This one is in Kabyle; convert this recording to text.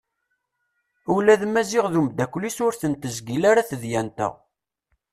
Ula d Maziɣ d umddakel-is ur ten-tezgil ara tedyant-a.